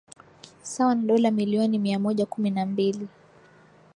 sawa na dola milioni mia moja kumi na mbili